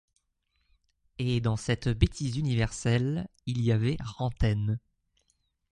Et dans cette bêtise universelle il y avait Rantaine.